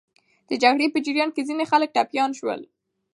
د جګړې په جریان کې ځینې خلک ټپیان سول.